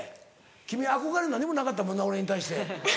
君憧れ何もなかったもんな俺に対して。